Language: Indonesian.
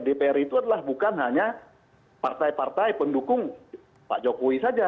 dpr itu adalah bukan hanya partai partai pendukung pak jokowi saja